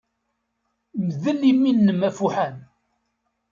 Mdel imi-nnem afuḥan.